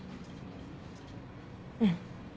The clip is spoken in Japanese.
うん。